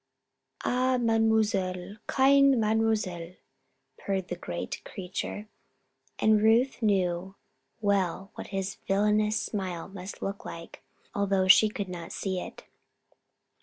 "Ah, Mademoiselle! Kind Mademoiselle!" purred the great creature and Ruth knew well what his villainous smile must look like, although she could not see it.